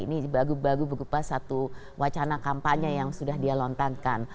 ini baru berupa satu wacana kampanye yang sudah dia lontarkan